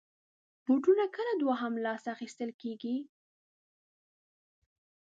بوټونه کله دوهم لاس اخېستل کېږي.